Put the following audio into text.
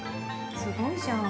すごいじゃん。